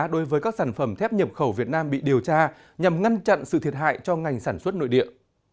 đối với các sản phẩm thép nhập khẩu việt nam bị điều tra nhằm ngăn chặn sự thiệt hại cho ngành sản xuất nội địa